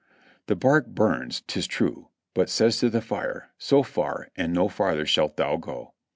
The bark burns, 'tis true, but says to the fire, "so far, and no farther shalt thou go."